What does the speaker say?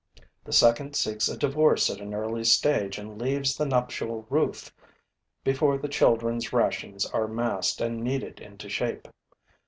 The second seeks a divorce at an early stage and leaves the nuptial roof before the children's rations are massed and kneaded into shape.